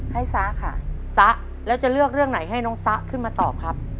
ซ้าค่ะซะแล้วจะเลือกเรื่องไหนให้น้องซะขึ้นมาตอบครับ